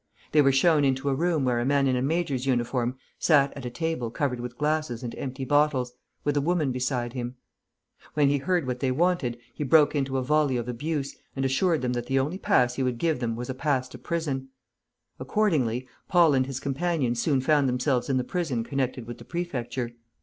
They were shown into a room where a man in a major's uniform sat at a table covered with glasses and empty bottles, with a woman beside him. When he heard what they wanted, he broke into a volley of abuse, and assured them that the only pass he would give them was a pass to prison. Accordingly, Paul and his companion soon found themselves in the prison connected with the prefecture.